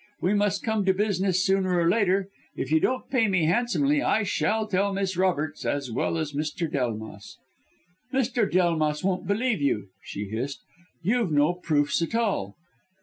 We must come to business sooner or later. If you don't pay me handsomely I shall tell Miss Roberts as well as Mr. Delmas.' "'Mr. Delmas won't believe you,' she hissed, 'you've no proofs at all!'